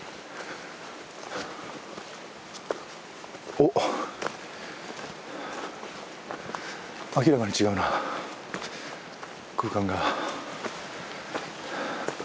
おっ明らかに違うな空間が。